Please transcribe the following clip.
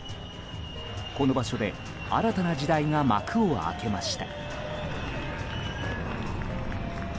この場所で新たな時代が幕を開けました。